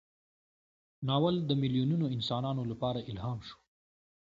ناول د میلیونونو انسانانو لپاره الهام شو.